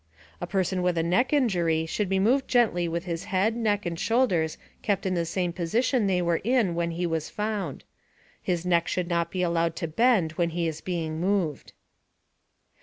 A person with a neck injury should be moved gently with his head, neck, and shoulders kept in the same position they were when he was found. His neck should not be allowed to bend when he is being moved.